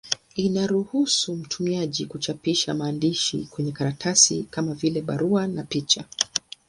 Inaruhusu mtumiaji kuchapisha maandishi kwenye karatasi, kama vile barua na picha.